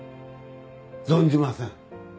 「存じません」